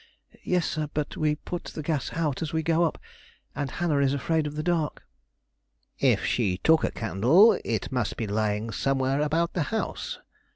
"Yes, sir; but we put the gas out as we go up, and Hannah is afraid of the dark." "If she took a candle, it must be lying somewhere about the house.